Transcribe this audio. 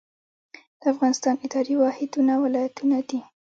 د افغانستان اداري واحدونه ولایتونه دي